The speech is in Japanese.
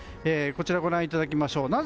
こちらご覧いただきましょう。